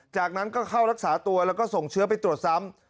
จากนั้นก็เข้ารักษาตัวแล้วก็ส่งเชื้อไปตรวจซ้ำ